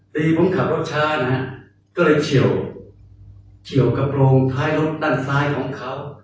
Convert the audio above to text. ในตอนหน้ารถผมเคยเชียวรถท้ายรถที่ทางซ้ายของเขา